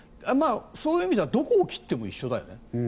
そういう意味ではどこを切っても一緒だよね。